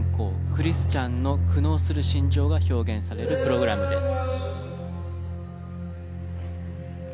クリスチャンの苦悩する心情が表現されるプログラムです。